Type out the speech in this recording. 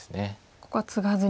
ここはツガずに。